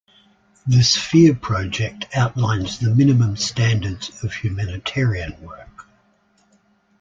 The Sphere Project outlines the minimum standards of humanitarian work.